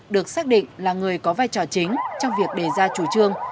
được xác định là người có vai trò chính trong việc đề ra chủ trương